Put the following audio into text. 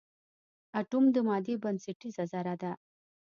اټوم د مادې بنسټیزه ذره ده.